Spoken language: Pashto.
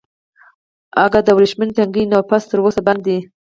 اگه د ورېښمين تنګي نه پس تر اوسه بند دی.